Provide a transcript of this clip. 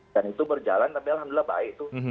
dan itu berjalan tapi alhamdulillah baik tuh